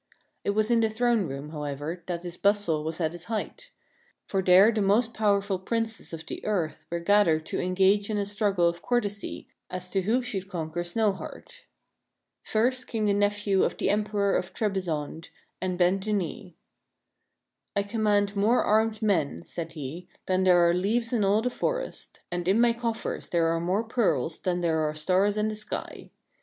It was in the throne room, however, that this bustle was at its height; for there the most powerful Princes of the earth were gathered to engage in a struggle of courtesy as to who should conquer Snowheart. SNOWHEART 59 First came the nephew of the Emperor of Trebizonde, and bent the knee. " I command more armed men," said he, " than there are leaves in all the forests ; and in my coffers there are more pearls than there are stars in the sky.